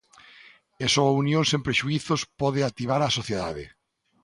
E só a unión sen prexuízos pode activar á sociedade.